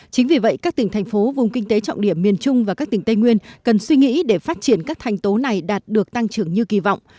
chính vì vậy các tỉnh thành phố vùng kinh tế trọng điểm miền trung và các tỉnh tây nguyên cần suy nghĩ để phát triển các thành tố này đạt được tăng trưởng như kỳ vọng